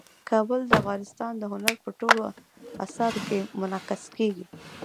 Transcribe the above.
کابل د افغانستان د هنر په ټولو اثارو کې منعکس کېږي.